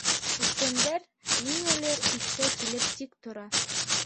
Үткәндәр ниңәлер иҫкә килеп тик тора.